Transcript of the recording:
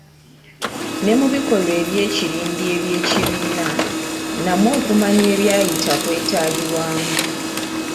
Ne mu bikolwa eby'ekirindi eby'ekibiina, namwo okumanya ebyayita kwetaagibwamu.